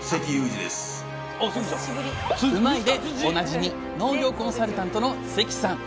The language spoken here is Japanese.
「うまいッ！」でおなじみ農業コンサルタントの関さん！